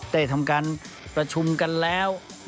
ได้ทำการประชุมกันแล้ว